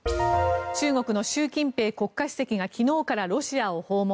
中国の習近平国家主席が昨日からロシアを訪問。